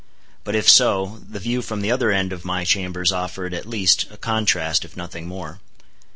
But if so, the view from the other end of my chambers offered, at least, a contrast, if nothing more.